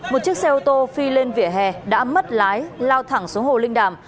một chiếc xe ô tô phi lên vỉa hè đã mất lái lao thẳng xuống hồ linh đàm